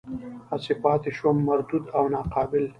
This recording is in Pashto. هسې پاتې شوم مردود او ناقابل.